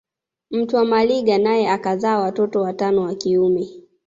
Mtwa Maliga naye akazaa watoto watano wa kiume